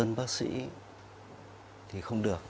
còn đơn bác sĩ thì không được